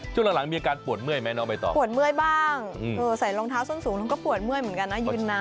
ช่วงหลังมีอาการปวดเมื่อยไหมน้องใบตองปวดเมื่อยบ้างใส่รองเท้าส้นสูงแล้วก็ปวดเมื่อยเหมือนกันนะยืนนาน